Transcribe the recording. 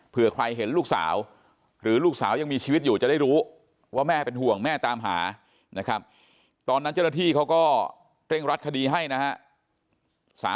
เพื่อใครเห็นลูกสาวหรือลูกสาวยังมีชีวิตอยู่จะได้รู้ว่าแม่เป็นห่วงแม่ตามหานะครับตอนนั้นเจ้าหน้าที่เขาก็เร่งรัดคดีให้นะฮะ